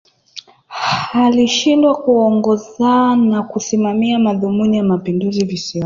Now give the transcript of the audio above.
Alishindwa kuongoza na kusimamia madhumuni ya Mapinduzi Visiwani